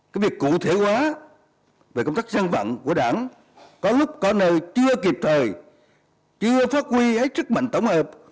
cái việc cụ thể hóa về công tác dân vận của đảng có lúc có nơi chưa kịp thời chưa phát huy hết sức mạnh tổng hợp